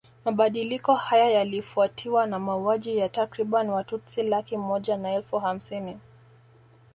Mabadiliko haya yalifuatiwa na mauaji ya takriban Watutsi laki moja na elfu hamsini